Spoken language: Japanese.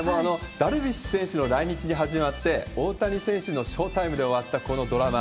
ダルビッシュ選手の来日に始まって、大谷選手の翔タイムで終わったこのドラマ。